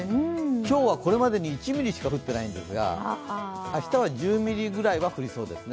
今日はこれまでに１ミリしか降ってないんですが明日は１０ミリぐらいは降りそうですね。